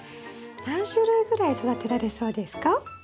何種類ぐらい育てられそうですか？